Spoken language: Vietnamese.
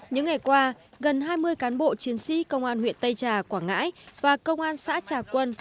những ngày qua gần hai mươi cán bộ chiến sĩ công an huyện tây trà quảng ngãi và công an xã trà quân